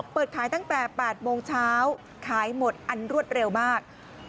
เปิดขายตั้งแต่๘โมงเช้าขายหมดอันรวดเร็วมาก